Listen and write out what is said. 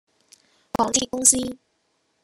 港鐵公司